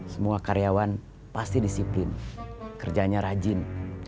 semua karyawan pasti disiplin kerjanya rajin